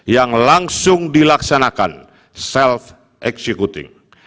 yang langsung dilaksanakan self executing